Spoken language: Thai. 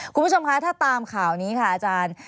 คุณผู้ชมคะถ้าตามข่าวนี้ค่ะอาจารย์